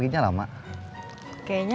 gak usah banyak ngomong